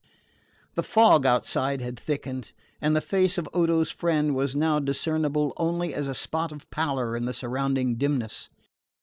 The fog outside had thickened, and the face of Odo's friend was now discernible only as a spot of pallor in the surrounding dimness.